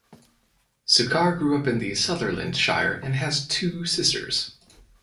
Sukkar grew up in the Sutherland Shire and has two sisters.